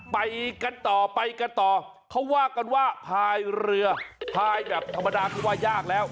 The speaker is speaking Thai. ไปกันต่อไปกันต่อเขาว่ากันว่าพายเรือพายแบบธรรมดาคือว่ายากแล้ว